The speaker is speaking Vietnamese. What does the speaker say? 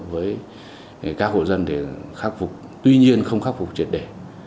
phối hợp với các hộ dân để khắc phục tuy nhiên không khắc phục triệt đề